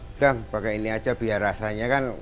udah pakai ini aja biar rasanya kan